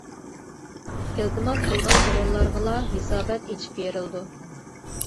ئىلتىماس قىلغان ئورۇنلارغىلا ھېسابات ئېچىپ بېرىلىدۇ.